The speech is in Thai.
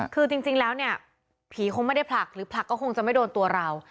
คือจริงแล้วเนี่ยผีคงไม่ได้ผลักหรือผลักก็คงจะไม่โดนตัวเรา